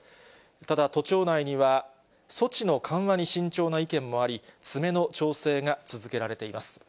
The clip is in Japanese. ただ、都庁内には措置の緩和に慎重な意見もあり、詰めの調整が続けられています。